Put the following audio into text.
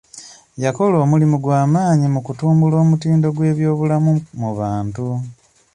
Yakola omulimu gwa maanyi mu kutumbula omutindo gw'ebyobulamu mu bantu.